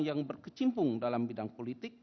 yang berkecimpung dalam bidang politik